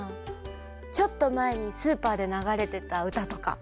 ちょっとまえにスーパーでながれてたうたとか。